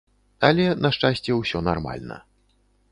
Але, на шчасце, усё нармальна.